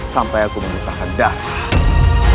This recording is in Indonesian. sampai aku memutarkan darah